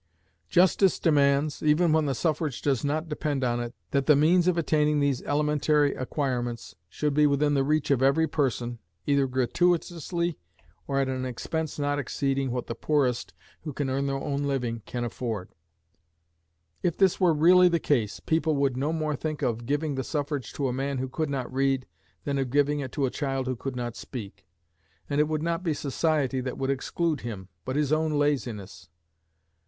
Justice demands, even when the suffrage does not depend on it, that the means of attaining these elementary acquirements should be within the reach of every person, either gratuitously, or at an expense not exceeding what the poorest, who can earn their own living, can afford. If this were really the case, people would no more think of giving the suffrage to a man who could not read, than of giving it to a child who could not speak; and it would not be society that would exclude him, but his own laziness.